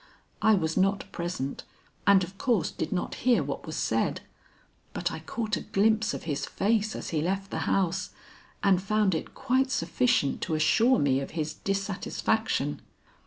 I was not present and of course did not hear what was said, but I caught a glimpse of his face as he left the house, and found it quite sufficient to assure me of his dissatisfaction.